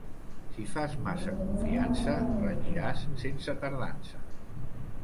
Si fas massa confiança, renyiràs sense tardança.